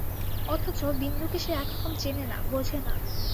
অথচ বিন্দুকে সে একরকম চেনে না, বোঝে না।